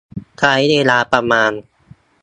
ใช้เวลาประมาณ